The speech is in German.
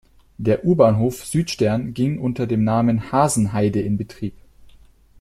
Der U-Bahnhof Südstern ging unter dem Namen "Hasenheide" in Betrieb.